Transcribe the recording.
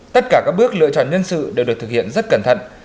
tất cả các bước lựa chọn nhân sự đều được thực hiện rất cẩn thận